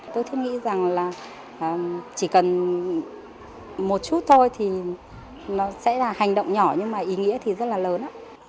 tôi thích nghĩ rằng là chỉ cần một chút thôi thì nó sẽ là hành động nhỏ nhưng mà ý nghĩa thì rất là lớn